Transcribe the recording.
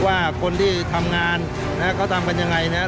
ว่าคนที่ทำงานก็ทำกันอย่างไรนะครับ